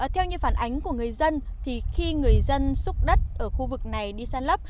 theo như phản ánh của người dân khi người dân xúc đất ở khu vực này đi săn lấp